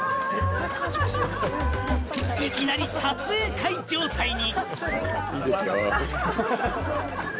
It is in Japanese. いきなり撮影会状態に。